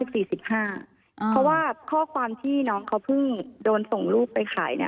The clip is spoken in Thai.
เพราะว่าข้อความที่น้องเขาเพิ่งโดนส่งลูกไปขาย